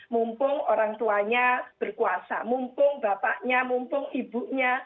mumpung orang tuanya berkuasa mumpung bapaknya mumpung ibunya